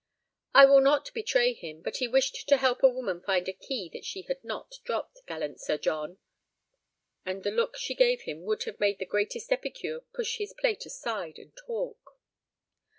"I will not betray him, but he wished to help a woman find a key that she had not dropped, gallant Sir John!" And the look she gave him would have made the greatest epicure push his plate aside and talk.